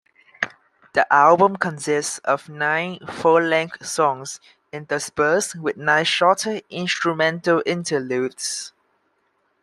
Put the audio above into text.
The album consists of nine full-length songs, interspersed with nine shorter instrumental interludes.